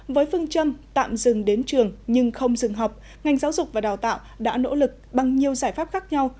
với phương châm tạm dừng đến trường nhưng không dừng học ngành giáo dục và đào tạo đã nỗ lực bằng nhiều giải pháp khác nhau